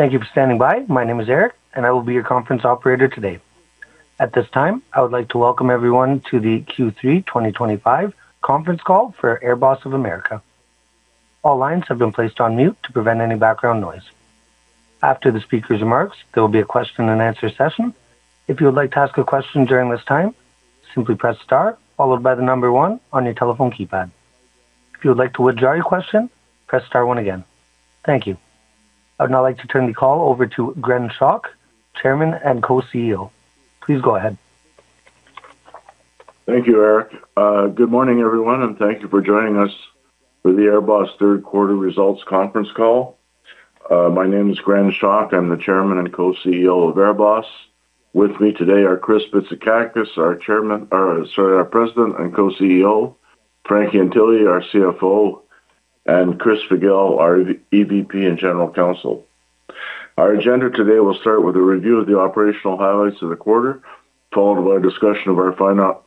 Thank you for standing by. My name is Eric and I will be your conference operator today. At this time I would like to welcome everyone to the Q3 2025 conference call for AirBoss of America. All lines have been placed on mute to prevent any background noise. After the speaker's remarks, there will be a question and answer session. If you would like to ask a question during this time, simply press star followed by the number one on your telephone keypad. If you would like to withdraw your question, press star one again. Thank you. I would now like to turn the call over to Gren Schoch, Chairman and Co-CEO. Please go ahead. Thank you, Eric. Good morning, everyone, and thank you for joining us for the AirBoss third quarter results conference call. My name is Grant Schoch. I'm the Chairman and Co-CEO of AirBoss. With me today are Chris Bitsakakis, our President and Co-CEO, Frank Ientile, our CFO, and Chris Figel, our EVP and General Counsel. Our agenda today will start with a review of the operational highlights of the quarter, followed by a discussion of our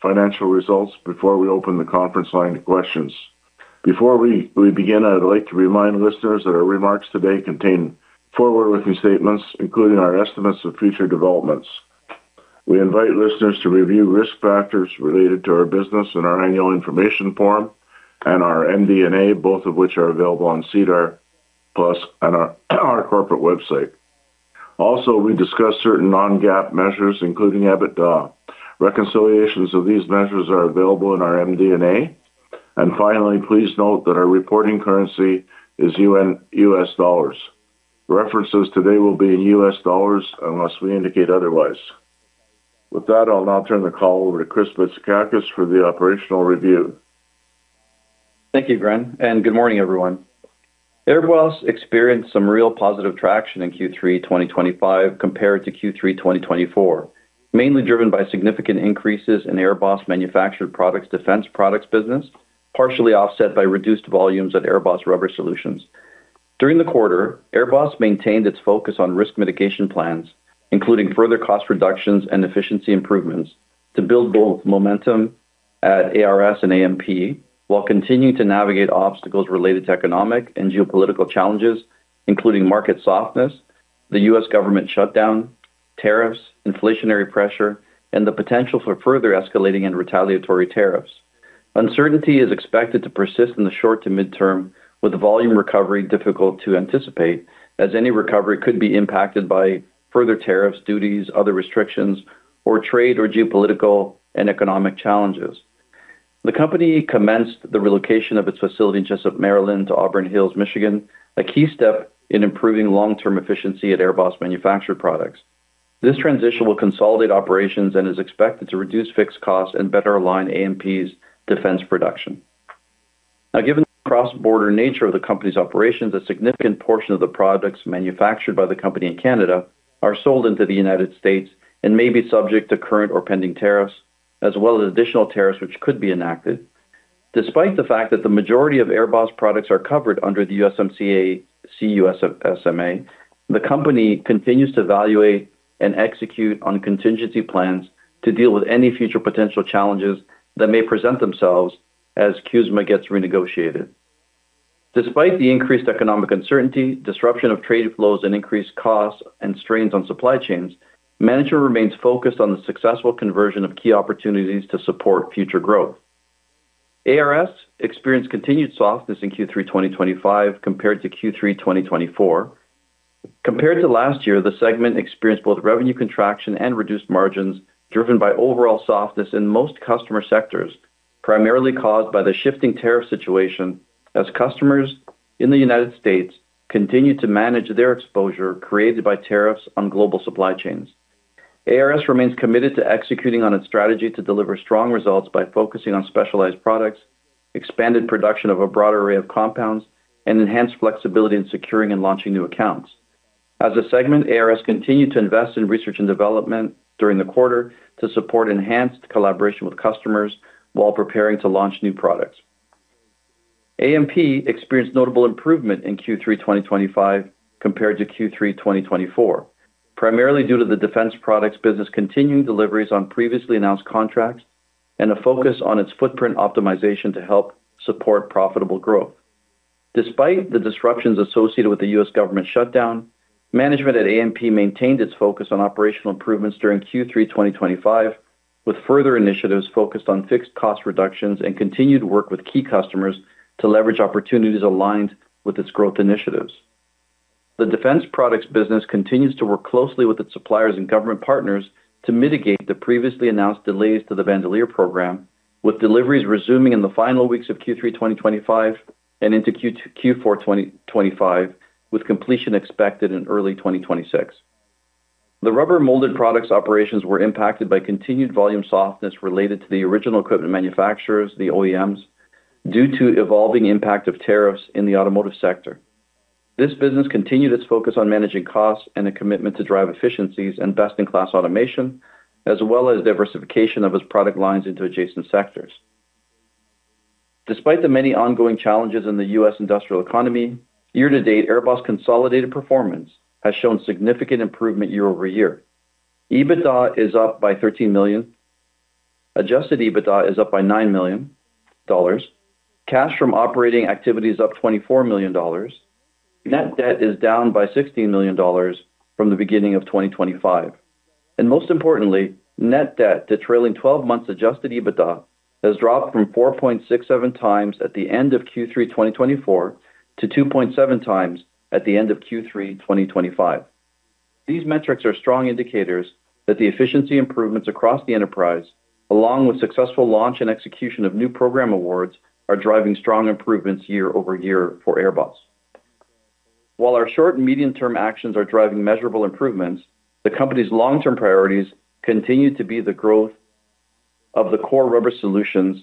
financial results before we open the conference line to questions. Before we begin, I would like to remind listeners that our remarks today contain forward-looking statements, including our estimates of future developments. We invite listeners to review risk factors related to our business in our annual information form and our MD&A, both of which are available on SEDAR+ and our corporate website. Also, we discussed certain non-GAAP measures including EBITDA. Reconciliations of these measures are available in our MD&A. Finally, please note that our reporting currency is U.S. Dollars. References today will be in U.S. Dollars unless we indicate otherwise. With that, I'll now turn the call over to Chris Bitsakakis for the operational review. Thank you, Gren, and good morning, everyone. AirBoss experienced some real positive traction in Q3 2025 compared to Q3 2024, mainly driven by significant increases in AirBoss Manufactured Products defense products business, partially offset by reduced volumes at AirBoss Rubber Solutions. During the quarter, AirBoss maintained its focus on risk mitigation plans including further cost reductions and efficiency improvements to build both momentum at ARS and AMP, while continuing to navigate obstacles related to economic and geopolitical challenges, including market softness, the U.S. Government shutdown, tariffs, inflationary pressure, and the potential for further escalating and retaliatory tariffs. Uncertainty is expected to persist in the short to mid term, with volume recovery difficult to anticipate, as any recovery could be impacted by further tariffs, duties, other restrictions, or trade or geopolitical and economic challenges. The company commenced the relocation of its facility just up Maryland to Auburn Hills, Michigan, a key step in improving long term efficiency at AirBoss Manufactured Products. This transition will consolidate operations and is expected to reduce fixed costs and better align AMP's defense production. Now, given the cross border nature of the company's operations, a significant portion of the products manufactured by the company in Canada are sold into the United States and may be subject to current or pending tariffs as well as additional tariffs which could be enacted. Despite the fact that the majority of AirBoss products are covered under the USMCA, the company continues to evaluate and execute on contingency plans to deal with any future potential challenges that may present themselves as [USMCA] gets renegotiated. Despite the increased economic uncertainty, disruption of trade flows, and increased costs and strains on supply chains, management remains focused on the successful conversion of key opportunities to support future growth. ARS experienced continued softness in Q3 2025 compared to Q3 2024. Compared to last year, the segment experienced both revenue contraction and reduced margins driven by overall softness in most customer sectors, primarily caused by the shifting tariff situation. As customers in the United States continue to manage their exposure created by tariffs on global supply chains, ARS remains committed to executing on its strategy to deliver strong results by focusing on specialized products, expanded production of a broader array of compounds, and enhanced flexibility in securing and launching new accounts. As a segment, ARS continued to invest in research and development during the quarter to support enhanced collaboration with customers while preparing to launch new products. AMP experienced notable improvement in Q3 2025 compared to Q3 2024 primarily due to the defense products business, continuing deliveries on previously announced contracts, and a focus on its footprint optimization to help support profitable growth. Despite the disruptions associated with the U.S. Government shutdown, management at AMP maintained its focus on operational improvements during Q3 2025 with further initiatives focused on fixed cost reductions and continued work with key customers to leverage opportunities aligned with its growth initiatives. The defense products business continues to work closely with its suppliers and government partners to mitigate the previously announced delays to the Bandolier program, with deliveries resuming in the final weeks of Q3 2025 and into Q4 2025, with completion expected in early 2026. The rubber molded products operations were impacted by continued volume softness related to the original equipment manufacturers, the OEMs. Due to evolving impact of tariffs in the automotive sector, this business continued its focus on managing costs and a commitment to drive efficiencies and best in class automation as well as diversification of its product lines into adjacent sectors. Despite the many ongoing challenges in the U.S. industrial economy, year to date AirBoss consolidated performance has shown significant improvement year over year. EBITDA is up by $13 million. Adjusted EBITDA is up by $9 million, cash from operating activities up $24 million. Net debt is down by $16 million from the beginning of 2024 and most importantly net debt to trailing twelve months adjusted EBITDA has dropped from 4.67 times at the end of Q3 2023 to 2.7 times at the end of Q3 2024. These metrics are strong indicators that the efficiency improvements across the enterprise, along with successful launch and execution of new program awards are driving strong improvements year over year for AirBoss. While our short and medium term actions are driving measurable improvements, the company's long term priorities continue to be the growth of the core rubber solutions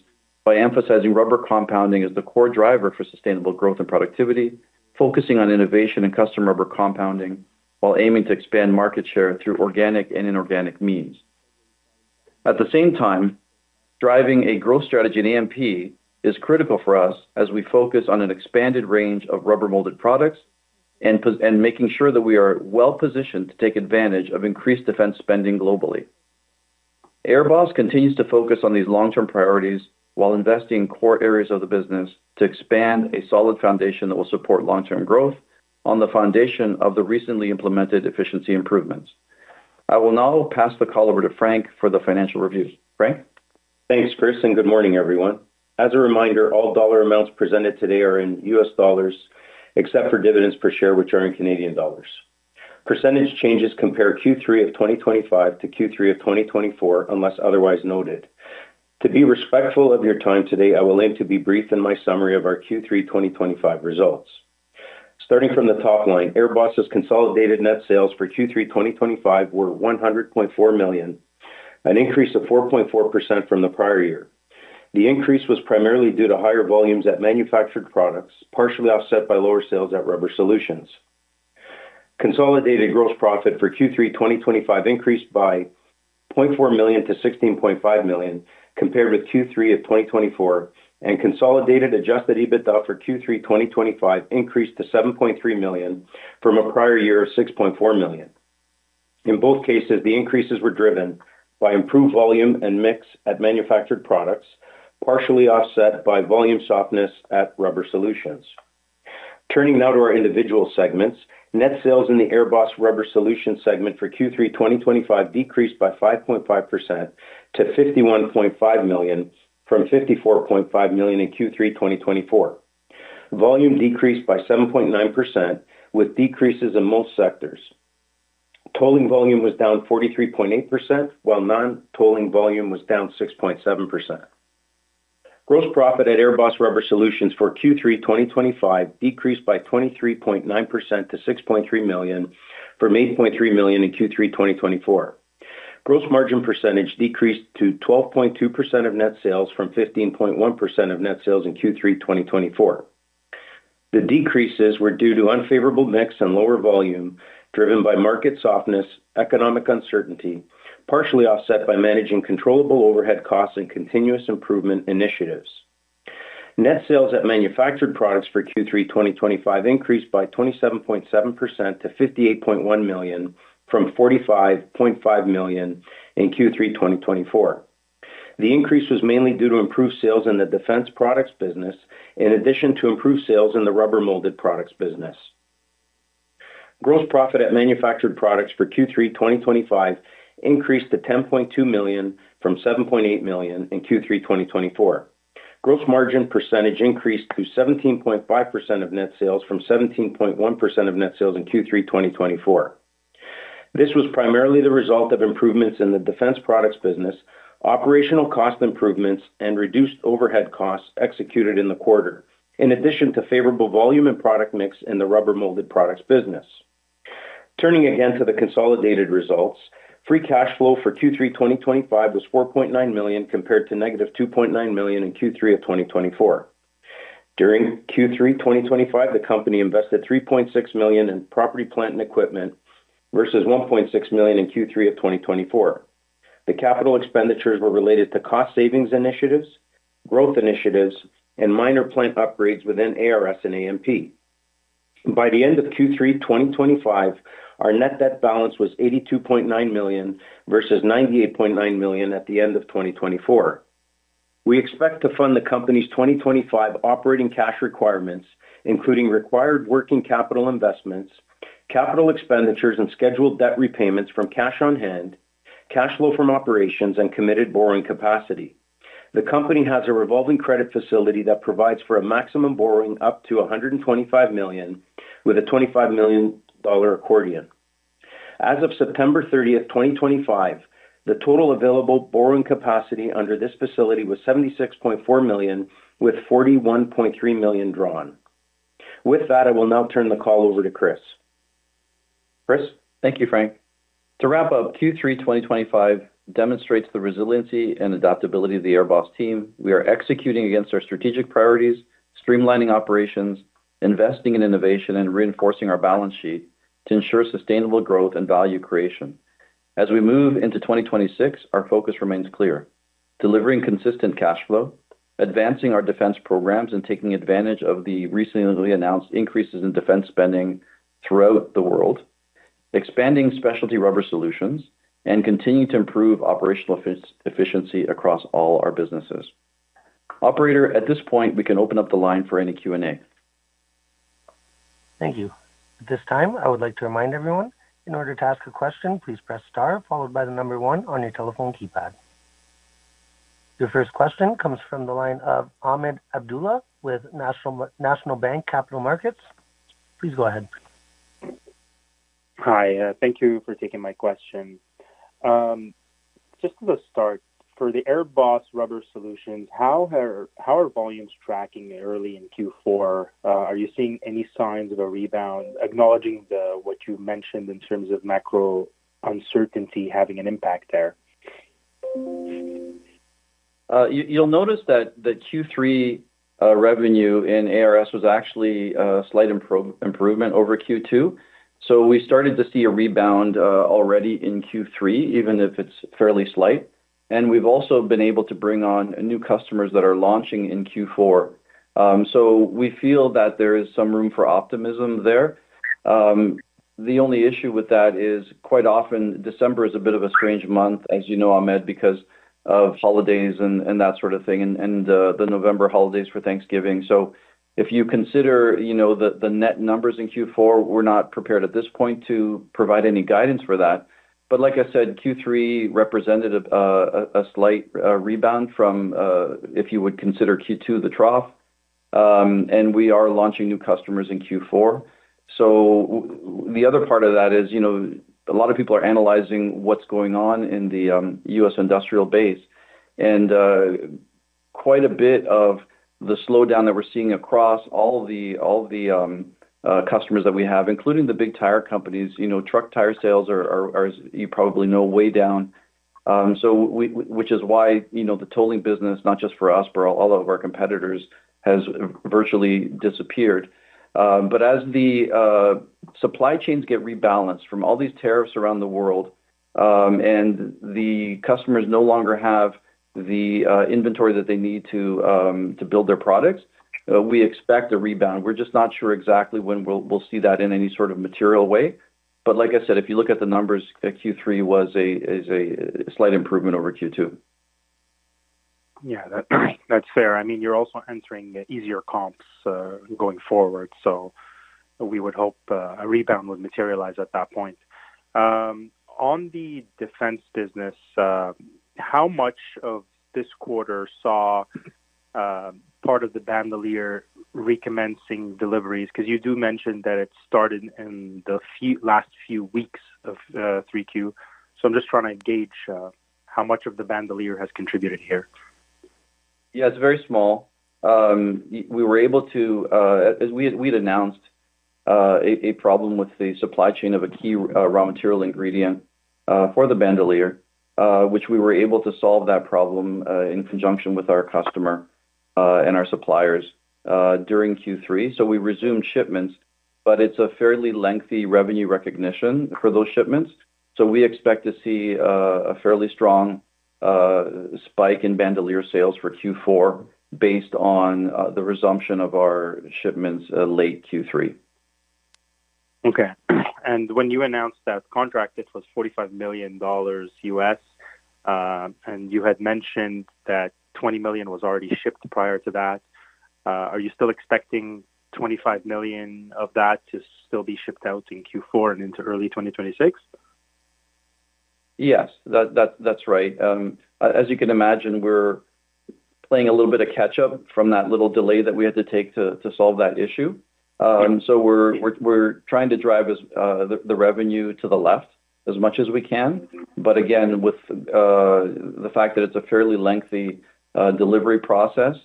by emphasizing rubber compounding as the core driver for sustainable growth and productivity, focusing on innovation and customer rubber compounding while aiming to expand market share through organic and inorganic means. At the same time, driving a growth strategy in AMP is critical for us as we focus on an expanded range of rubber molded products and making sure that we are well positioned to take advantage of increased defense spending globally. AirBoss continues to focus on these long term priorities while investing in core areas of the business to expand a solid foundation that will support long term growth on the foundation of the recently implemented efficiency improvements. I will now pass the call over to Frank for the Financial Review. Frank thanks Chris and good morning everyone. As a reminder, all dollar amounts presented today are in U.S. Dollars except for dividends per share, which are in Canadian Dollars. Percentage changes compare Q3 of 2025 to Q3 of 2024 unless otherwise noted. To be respectful of your time today, I will aim to be brief in my summary of our Q3 2025 results. Starting from the top line, AirBoss' consolidated net sales for Q3 2025 were $100.4 million, an increase of 4.4% from the prior year. The increase was primarily due to higher volumes at Manufactured Products, partially offset by lower sales at Rubber Solutions. Consolidated gross profit for Q3 2025 increased by $0.4 million to $16.5 million compared with Q3 of 2024 and consolidated adjusted EBITDA for Q3 2025 increased to $7.3 million from a prior year of $6.4 million. In both cases, the increases were driven by improved volume and mix at manufactured products, partially offset by volume softness at rubber solutions. Turning now to our individual segments. Net sales in the AirBoss Rubber Solutions segment for Q3 2025 decreased by 5.5% to $51.5 million from $54.5 million in Q3 2024. Volume decreased by 7.9% with decreases in most sectors. Tolling volume was down 43.8% while non tolling volume was down 6.7%. Gross profit at AirBoss Rubber Solutions for Q3 2025 decreased by 23.9% to $6.3 million from $8.3 million in Q3 2024. Gross margin percentage decreased to 12.2% of net sales from 15.1% of net sales in Q3 2024. The decreases were due to unfavorable mix and lower volume driven by market softness, economic uncertainty partially offset by managing controllable overhead costs and continuous improvement initiatives. Net sales at Manufactured Products for Q3 2025 increased by 27.7% to $58.1 million from $45.5 million in Q3 2024. The increase was mainly due to improved sales in the defense products business in addition to improved sales in the rubber molded products business. Gross profit at Manufactured Products for Q3 2025 increased to $10.2 million from $7.8 million in Q3 2024. Gross margin percentage increased to 17.5% of net sales from 17.1% of net sales in Q3 2024. This was primarily the result of improvements in the defense products business, operational cost improvements and reduced overhead costs executed in the quarter in addition to favorable volume and product mix in the rubber molded products business. Turning again to the consolidated results, free cash flow for Q3 2025 was $4.9 million compared to negative $2.9 million in Q3 of 2024. During Q3 2025, the company invested $3.6 million in property, plant and equipment versus $1.6 million in Q3 of 2024. The capital expenditures were related to cost savings initiatives, growth initiatives and minor plant upgrades within ARS and AMP. By the end of Q3 2025, our net debt balance was $82.9 million versus $98.9 million at the end of 2024. We expect to fund the company's 2025 operating cash requirements including required working capital investments, capital expenditures and scheduled debt repayments from cash on hand, cash flow from operations, and committed borrowing capacity. The company has a revolving credit facility that provides for a maximum borrowing up to $125 million with a $25 million lower accordion as of September 30, 2025. The total available borrowing capacity under this facility was $76.4 million, with $41.3 million drawn. With that, I will now turn the call over to Chris. Thank you, Frank. To wrap up, Q3 2025 demonstrates the resiliency and adaptability of the AirBoss team. We are executing against our strategic priorities, streamlining operations, investing in innovation, and reinforcing our balance sheet to ensure sustainable growth and value creation. As we move into 2026, our focus remains clear. Delivering consistent cash flow, advancing our defense programs, and taking advantage of the recently announced increases in defense spending throughout the world. Expanding specialty rubber solutions and continuing to improve operational efficiency across all our businesses. Operator, at this point we can open up the line for any Q and A. Thank you. At this time, I would like to remind everyone, in order to ask a question, please press Star followed by the number one on your telephone keypad. Your first question comes from the line of Ahmed Abdullah with National Bank Capital Markets. Please go ahead. Hi. Thank you for taking my question. Just as a start for the AirBoss Rubber Solutions, how are volumes tracking early in Q4? Are you seeing any signs of a rebound down? Acknowledging what you mentioned in terms of macro uncertainty having an impact there. You'll notice that the Q3 revenue in ARS was actually a slight improvement over Q2. We started to see a rebound already in Q3, even if it's fairly slight. We've also been able to bring on new customers that are launching in Q4. We feel that there is some room for optimism there. The only issue with that is quite often December is a bit of a strange month, as you know, Ahmed, because of holidays and that sort of thing and the November holidays for Thanksgiving. If you consider, you know, the net numbers in Q4, we're not prepared at this point to provide any guidance for that. Like I said, Q3 represented a slight rebound from, if you would consider Q2, the trough. We are launching new customers in Q4. The other part of that is, you know, a lot of people are analyzing what's going on in the U.S. industrial base and quite a bit of the slowdown that we're seeing across all the customers that we have, including the big tire companies, you know, truck tire sales are, as you probably know, way down. Which is why, you know, the tolling business, not just for us, but all of our competitors, has virtually disappeared. As the supply chains get rebalanced from all these tariffs around the world and the customers no longer have the inventory that they need to build their products, we expect a rebound. We're just not sure exactly when we'll see that in any sort of material way. Like I said, if you look at the numbers, Q3 is a slight improvement over Q2. Yeah, that's fair. I mean, you're also entering easier comps going forward. We would hope a rebound would materialize at that point. On the defense business, how much of this quarter saw part of the Bandolier recommencing deliveries? Because you do mention that it started in the last few weeks of 3Q. I'm just trying to gauge how much of the Bandolier has contributed here. Yeah, it's very small. We were able to, as we had announced, a problem with the supply chain of a key raw material ingredient for the Bandolier, which we were able to solve that problem in conjunction with our customer and our suppliers during Q3. We resumed shipments, but it's a fairly lengthy revenue recognition for those shipments. We expect to see a fairly strong spike in Bandolier sales for Q4 based on the resumption of our shipments late Q3. Okay, and when you announced that contract, it was $45 million US and you had mentioned that $20 million was already shipped prior to that. Are you still expecting $25 million of that to still be shipped out in Q4 and into early 2026? Yes, that's right. As you can imagine, we're playing a little bit of catch up from that little delay that we had to take to solve that issue. We're trying to drive the revenue to the left as much as we can. Again, with the fact that it's a fairly lengthy delivery process,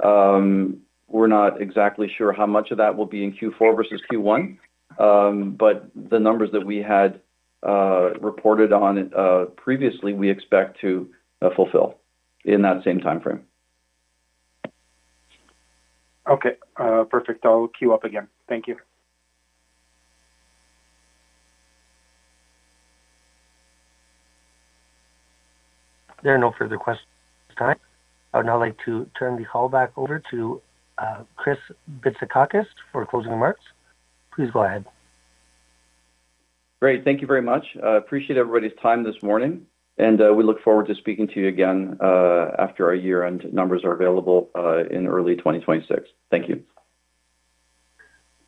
we're not exactly sure how much of that will be in Q4 versus Q1, but the numbers that we had reported on previously, we expect to fulfill in that same time frame. Okay, perfect. I'll queue up again. Thank you. There are no further questions at this time. I would now like to turn the call back over to Chris Bitsakakis for closing remarks. Please go ahead. Great. Thank you very much. Appreciate everybody's time this morning and we look forward to speaking to you again after our year end numbers are available in early 2026. Thank you,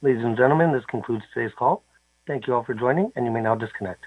ladies and gentlemen. This concludes today's call. Thank you all for joining and you may now disconnect.